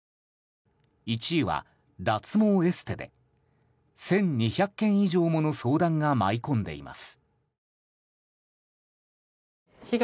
１位は脱毛エステで１２００件以上もの相談が舞い込んでいます。